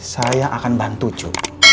saya akan bantu cu